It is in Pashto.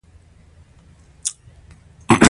تر ټولو لوی پاڅون انقلاب و.